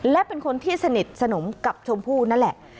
และเป็นคนที่สนิทสนมกับชมพู่นั่นแหละ